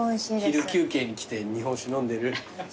昼休憩に来て日本酒飲んでる。